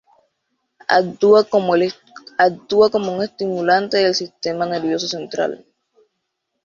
Actúa como un estimulante del sistema nervioso central.